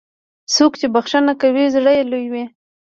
څوک چې بښنه کوي، زړه یې لوی وي.